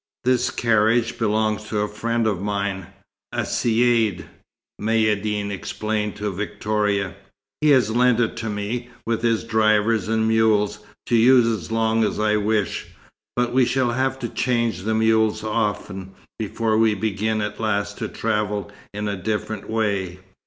"This carriage belongs to a friend of mine, a Caïd," Maïeddine explained to Victoria. "He has lent it to me, with his driver and mules, to use as long as I wish. But we shall have to change the mules often, before we begin at last to travel in a different way."